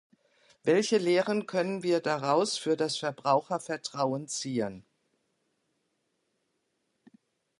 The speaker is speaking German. Welche Lehren können wir daraus für das Verbrauchervertrauen ziehen?